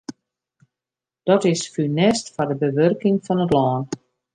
Dat is funest foar de bewurking fan it lân.